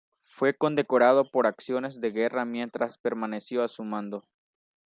Fue condecorado por acciones de guerra mientras permaneció a su mando.